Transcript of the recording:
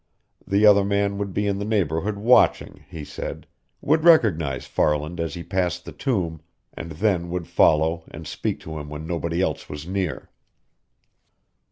The other man would be in the neighborhood watching, he said, would recognize Farland as he passed the Tomb, and then would follow and speak to him when nobody else was near.